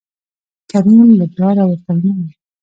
کريم له ډاره ورته ونه ويل